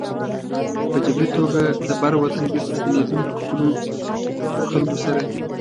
په جبري توګه د بر وطن بېرته ستنېدونکو خپلو خلکو سره.